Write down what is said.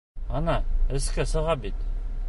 Ана, өҫкә сыға бит.